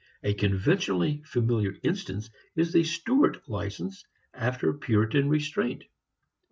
A conventionally familiar instance is Stuart license after Puritan restraint.